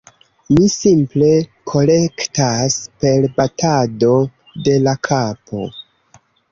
mi simple kolektas per batado de la kapo.